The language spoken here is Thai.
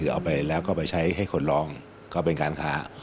เอาไปแล้วก็ไปใช้ให้คนลองก็เป็นการค้า